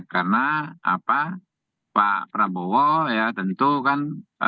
karena pak prabowo ya tentu kan